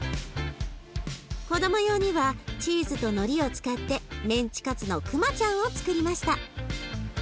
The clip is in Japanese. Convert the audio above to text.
子ども用にはチーズとのりを使ってメンチカツのクマちゃんをつくりました。